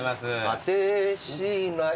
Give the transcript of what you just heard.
「果てしない」